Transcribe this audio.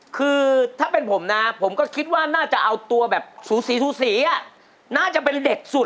คือถ้าเป็นผมนะผมก็คิดว่าน่าจะเอาตัวแบบสูสีสูสีน่าจะเป็นเด็กสุด